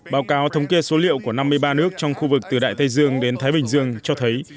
báo cáo thống kê số liệu của năm mươi ba nước trong khu vực từ đại tây dương đến thái bình dương cho thấy